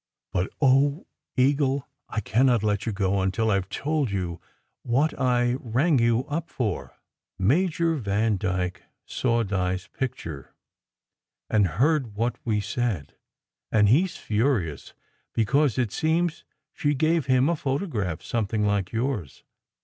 But, oh, Eagle ! I cannot let you go until I ve told you what I rang you up for. Major Vandyke saw Di s picture, and heard what we said. And he s furious, because it seems she gave him a photograph something like yours.